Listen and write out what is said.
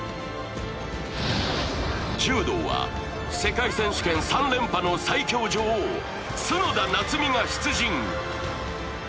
柔道は世界選手権３連覇の最強女王・角田夏実が出陣。